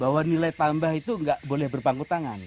bahwa nilai tambah itu nggak boleh berpangku tangan